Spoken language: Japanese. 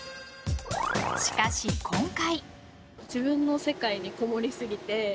しかし、今回。